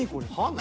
何？